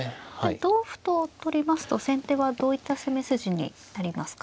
同歩と取りますと先手はどういった攻め筋になりますか。